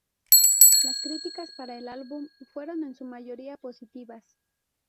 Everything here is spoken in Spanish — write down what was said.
Las críticas para el álbum fueron en su mayoría positivas.